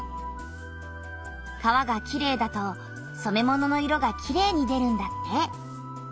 川がきれいだと染め物の色がきれいに出るんだって。